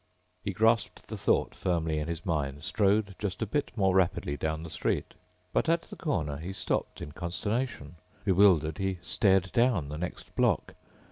He grasped that thought firmly in his mind, strode just a bit more rapidly down the street. But at the corner he stopped in consternation. Bewildered, he stared down the next block.